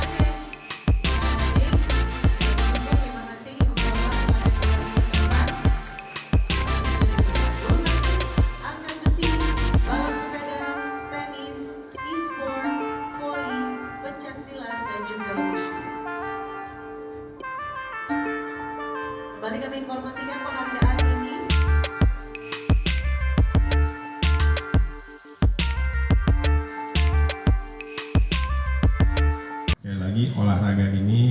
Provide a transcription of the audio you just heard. seperti lagi olahraga ini